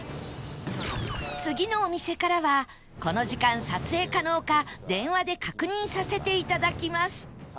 次のお店からはこの時間撮影可能か電話で確認させていただきます